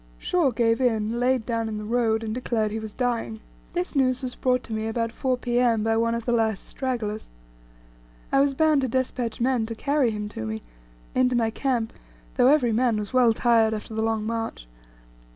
Shaw gave in, laid down in the road, and declared he was dying. This news was brought to me about 4 P.M. by one of the last stragglers. I was bound to despatch men to carry him to me, into my camp, though every man was well tired after the long march.